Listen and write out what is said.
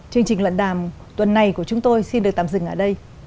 chương trình luận đàm tuần này của chúng tôi xin được tạm dừng ở đây